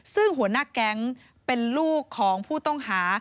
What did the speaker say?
ซึ่งหัวหน้าแก๊งเป็นลูกของผู้ต้องหา